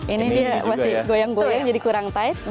ini dia masih goyang goyang jadi kurang tight